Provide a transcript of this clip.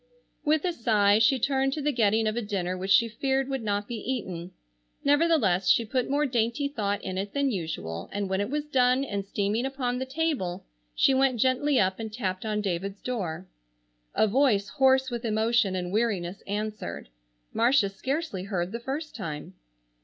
With a sigh she turned to the getting of a dinner which she feared would not be eaten. Nevertheless, she put more dainty thought in it than usual, and when it was done and steaming upon the table she went gently up and tapped on David's door. A voice hoarse with emotion and weariness answered. Marcia scarcely heard the first time.